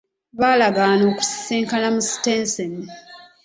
Baalagaana okusisinkana mu sitenseni.